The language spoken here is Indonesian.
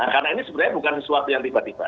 karena ini sebenarnya bukan sesuatu yang tiba tiba